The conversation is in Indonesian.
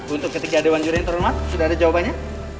untuk ketiga dewan juri yang terhormat sudah ada jawabannya